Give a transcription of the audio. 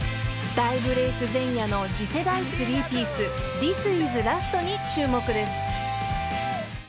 ［大ブレーク前夜の次世代スリーピースＴｈｉｓｉｓＬＡＳＴに注目です］